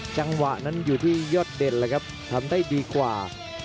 จังหวะนั้นอยู่ที่รอยอดเด็ดทำได้ดีกว่า